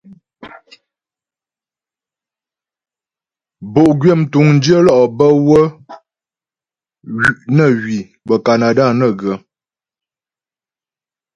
Bo'gwyə mtuŋdyə lɔ' bə́ wə́ nə hwi bə́ Kanada nə ghə.